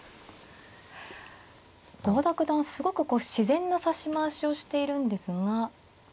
すごくこう自然な指し回しをしているんですが。